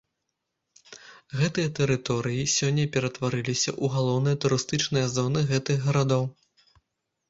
Гэтыя тэрыторыі сёння ператварыліся ў галоўныя турыстычныя зоны гэтых гарадоў.